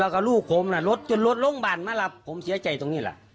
แล้วก็ลูกผมน่ะรถจนรถโรงพยาบาลมาหลับผมเสียใจตรงนี้แหละ